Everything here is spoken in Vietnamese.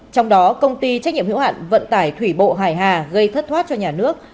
trong đó công ty trách nhiệm hiệu hạn vận tải thủy bộ hải hà gây thất thoát cho nhà nước